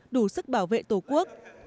đủ sức bảo vệ tổ quốc